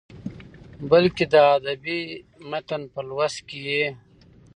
بلکې د ادبي متن په لوست کې يې